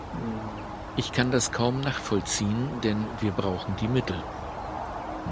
Ich kann das kaum nachvollziehen, denn wir brauchen die Mittel.